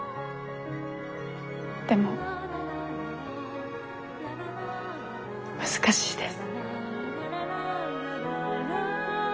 でも難しいです。